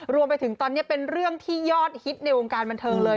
รวมไปถึงตอนนี้เป็นเรื่องที่ยอดฮิตในวงการบันเทิงเลย